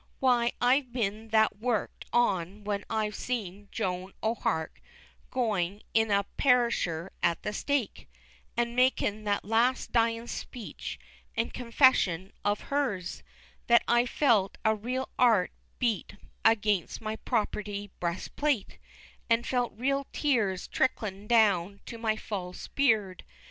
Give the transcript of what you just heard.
Why, I've been that work'd on when I've seen Joan o'Hark goin' in a perisher at the stake, an' makin' that last dyin' speech and confession of hers, that I've felt a real 'art beat against my property breast plate, and felt real tears a tricklin' down to my false beard.